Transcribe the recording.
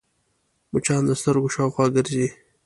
مچان د سترګو شاوخوا ګرځي